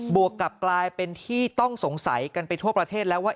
วกกลับกลายเป็นที่ต้องสงสัยกันไปทั่วประเทศแล้วว่า